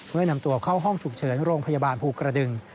เมื่อนำตัวเข้าห้องฉุกเฉินโรงพยาบาลภูกระดึง